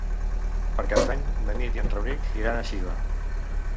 Per Cap d'Any na Nit i en Rauric iran a Xiva.